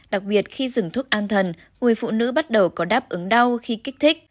đặc biệt khi dừng thuốc an thần người phụ nữ bắt đầu có đáp ứng đau khi kích thích